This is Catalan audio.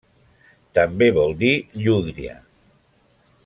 També vol dir llúdria.